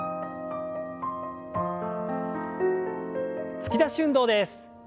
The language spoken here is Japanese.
突き出し運動です。